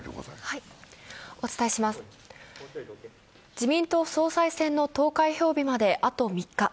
自民党総裁選の投開票日まであと３日。